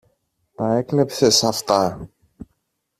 Τα έκλεψες αυτά.